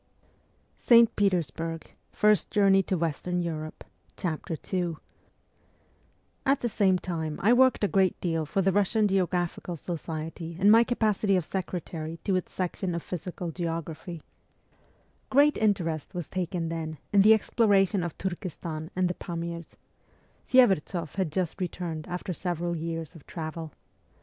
II AT the same time I worked a great deal for the Eussian Geographical Society in my capacity of secretary to its section of physical geography. Great interest was taken then in the exploration of Turkestan and the Pamirs. Sye'vertsoff had just re turned after several years of travel.